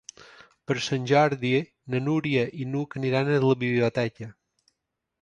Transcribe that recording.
Per Sant Jordi na Núria i n'Hug aniran a la biblioteca.